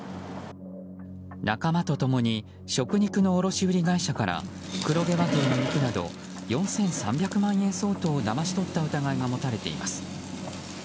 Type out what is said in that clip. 仲間と共に食肉の卸売会社から黒毛和牛の肉など４３００万円相当をだまし取った疑いが持たれています。